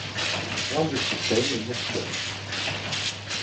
Point de systèmes, beaucoup d’œuvres.